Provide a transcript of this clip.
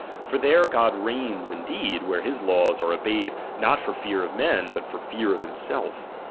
For there God reigns indeed, ■ where his laws are obeyed not for fear of men, but I for fear of himself.